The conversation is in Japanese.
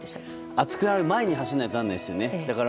暑くなる前に走らないとなんですよね。